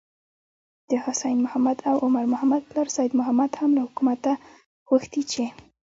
د حسين محمد او عمر محمد پلار سيد محمد هم له حکومته غوښتي چې: